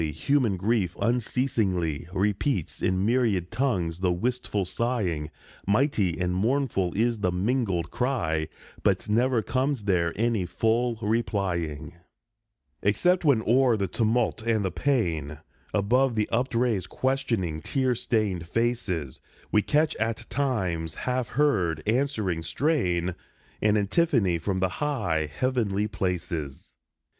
human grief unceasingly Repeats in myriad tongues the wistful sighing. Mighty and mournful is the mingled cry, But never comes there any full replying, Except when, o'er the tumult and the pain, Above the upraised, questioning, tear stained faces, We catch at times a half heard, answering strain, An antiphone from the high, heavenly places.